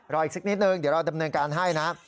รออีกสิกนิดหนึ่งเดี๋ยวเราดำเนินการให้นะ